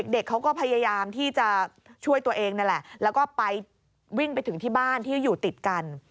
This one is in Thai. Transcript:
เด็กเขาก็พยายามที่จะช่วยตัวเองนั่นแหละแล้วก็ไปวิ่งไปถึงที่บ้านที่อยู่ติดกัน